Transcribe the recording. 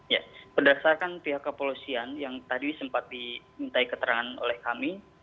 ya berdasarkan pihak kepolisian yang tadi sempat dimintai keterangan oleh kami